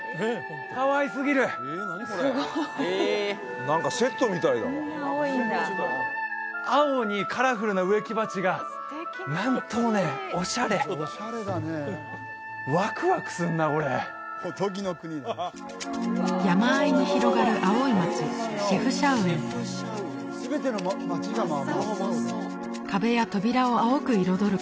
かわいすぎるすごいえ何かセットみたいだわこんな青いんだ青にカラフルな植木鉢がなんともねオシャレワクワクするなこれ山あいに広がる青い街シェフシャウエン壁や扉を青く彩る